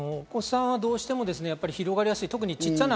お子さんはどうしても広がりやすい。